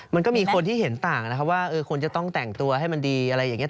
มันก็มีคนที่เห็นต่างนะครับว่าควรจะต้องแต่งตัวให้มันดีอะไรอย่างนี้